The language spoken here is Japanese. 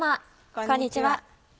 こんにちは。